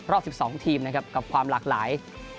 รอบ๑๒ทีมนะครับกับความหลากหลาย